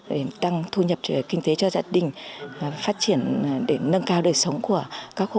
để tăng thu nhập kinh tế cho gia đình phát triển để nâng cao đời sống của các hộ